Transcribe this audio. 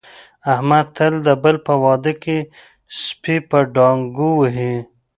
احمد تل د بل په واده کې سپي په ډانګو وهي.